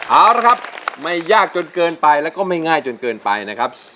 เอาละครับไม่ยากจนเกินไปแล้วก็ไม่ง่ายจนเกินไปนะครับ